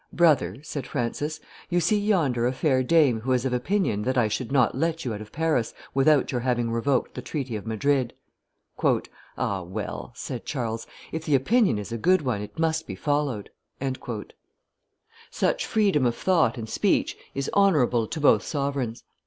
"Brother," said Francis, "you see yonder a fair dame who is of opinion that I should not let you out of Paris without your having revoked the treaty of Madrid." "Ah! well," said Charles, "if the opinion is a good one, it must be followed." Such freedom of thought and speech is honorable to both sovereigns.